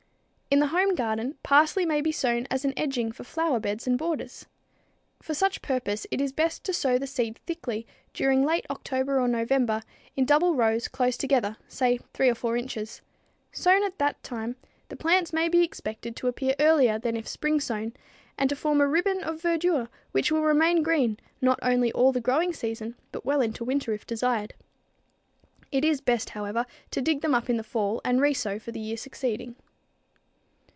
In the home garden, parsley may be sown as an edging for flower beds and borders. For such purpose it is best to sow the seed thickly during late October or November in double rows close together, say 3 or 4 inches. Sown at that time, the plants may be expected to appear earlier than if spring sown and to form a ribbon of verdure which will remain green not only all the growing season, but well into winter if desired. It is best, however, to dig them up in the fall and resow for the year succeeding.